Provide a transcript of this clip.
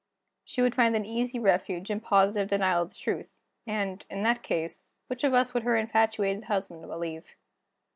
She would find an easy refuge in positive denial of the truth and, in that case, which of us would her infatuated husband believe?